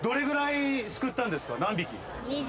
何匹？